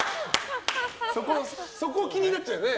そこ気になっちゃうよね。